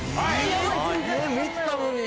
えぇ見てたのに！